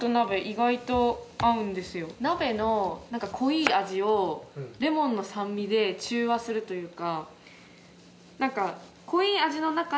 鍋の濃い味をレモンの酸味で中和するというか。